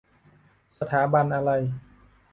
สถาบันอะไร ?